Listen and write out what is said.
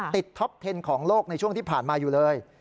ท็อปเทนของโลกในช่วงที่ผ่านมาอยู่เลย